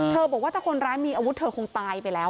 บอกว่าถ้าคนร้ายมีอาวุธเธอคงตายไปแล้ว